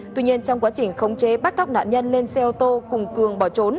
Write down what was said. tuy nhiên trong quá trình khống chế bắt cóc nạn nhân lên xe ô tô cùng cường bỏ trốn